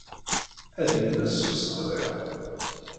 Ad yemmet s useqḍiḍ.